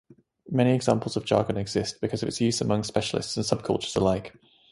Many examples of jargon exist because of its use among specialists and subcultures alike.